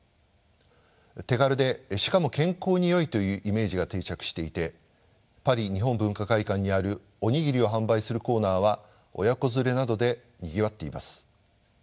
手軽でしかも健康によいというイメージが定着していてパリ日本文化会館にあるお握りを販売するコーナーは親子連れなどでにぎわっています。